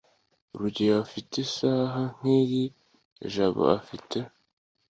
rugeyo afite isaha nkiyi jabo afite